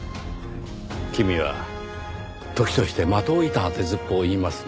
君は時として的を射た当てずっぽうを言いますねぇ。